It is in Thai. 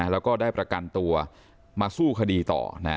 แล้วก็ได้ประกันตัวมาสู้คดีต่อ